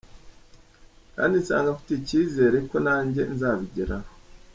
kandi nsanga mfite ikizere ko nanjye nzabigeraho.